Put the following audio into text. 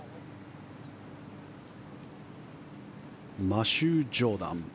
マシュー・ジョーダン。